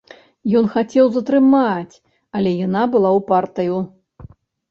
Ён хацеў затрымаць, але яна была ўпартаю.